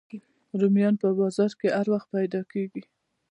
رومیان په بازار کې هر وخت پیدا کېږي